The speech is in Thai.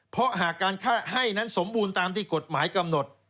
เพราะหากการให้นั้นสมบูรณ์ตามที่กฎหมายกำหนด